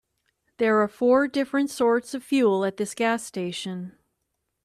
There are four different sorts of fuel at this gas station.